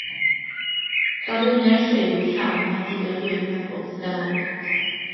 Darluniau lliw-llawn a du-a-gwyn ar bob tudalen.